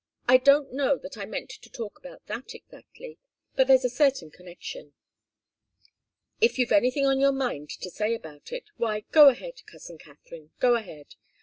"I don't know that I meant to talk about that exactly. But there's a certain connection. If you've anything on your mind to say about it, why, go ahead, cousin Katharine go ahead.